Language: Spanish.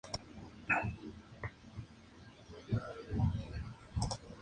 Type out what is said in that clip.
Me encanta montar un espectáculo que realmente va a entretener a los "fans".